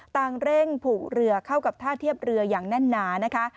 ต่างเร่งผูกเรือเข้ากับท่าเทียบเรืออย่างแน่นหนานะคะ